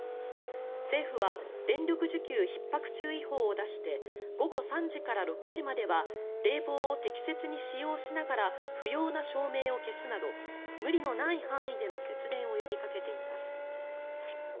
政府は電力需給ひっ迫注意報を出して午後３時から６時までは冷房を適切に使用しながら不要な照明を消すなど無理のない範囲での節電を呼びかけています。